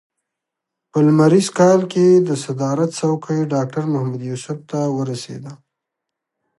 په لمریز کال کې د صدارت څوکۍ ډاکټر محمد یوسف ته ورسېده.